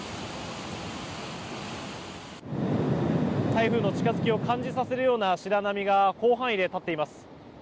台風の近づきを感じさせるような白波が広範囲で立っています。